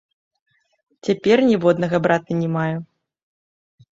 Цяпер ніводнага брата не маю.